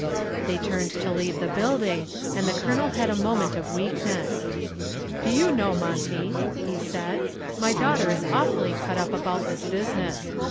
They turned to leave the building, and the Colonel had a moment of weakness. "Do you know, Monty," he said, "my daughter is awfully cut up about this business.